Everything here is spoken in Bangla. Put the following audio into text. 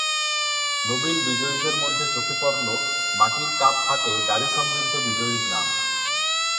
নোবেল বিজয়ীদের মধ্যে চোখে পড়ল মাটির কাপ হাতে দাড়ি-সমৃদ্ধ বিজয়ীর নাম।